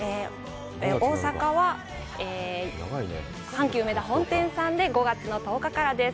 大阪は阪急うめだ本店さんで５月の１０日からです。